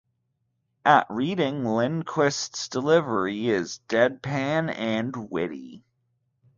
At readings, Lindquist's delivery is deadpan and witty.